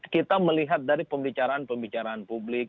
kita melihat dari pembicaraan pembicaraan publik